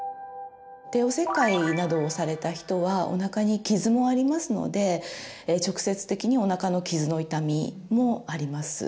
帝王切開などをされた人はおなかに傷もありますので直接的におなかの傷の痛みもあります。